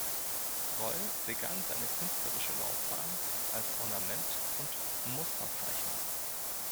Roll begann seine künstlerische Laufbahn als Ornament- und Musterzeichner.